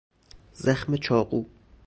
زخم چاقو